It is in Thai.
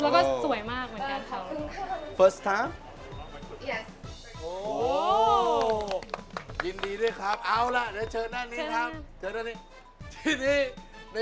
ก็เป็นคนที่น่ารักมากและดูและมีความสุขจริงครับ